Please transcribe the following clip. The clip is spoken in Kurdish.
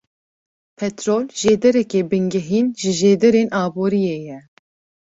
Petrol jêdereke bingehîn ji jêderên aboriyê ye.